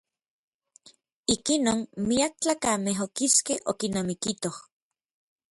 Ikinon miak tlakamej okiskej okinamikitoj.